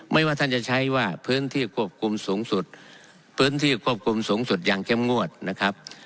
ว่าท่านจะใช้ว่าพื้นที่ควบคุมสูงสุดพื้นที่ควบคุมสูงสุดอย่างเข้มงวดนะครับ